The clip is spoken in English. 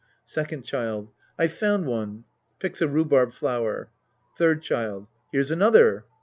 Second Child. I've found one. {Picks a rhubarb flower^ Third Child. Here's another.